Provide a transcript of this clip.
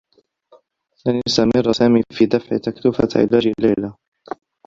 لن يستمرّ سامي في دفع تكلفة علاج ليلى.